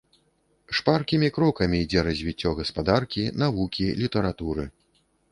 Шпаркімі крокамі ідзе развіццё гаспадаркі, навукі, літаратуры.